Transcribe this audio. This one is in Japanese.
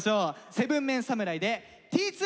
７ＭＥＮ侍で「Ｔ２」。